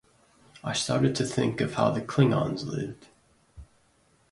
I started to think of how the Klingons lived.